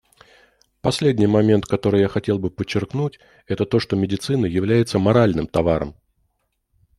Последний момент, который я хотел бы подчеркнуть, это то, что медицина является моральным товаром.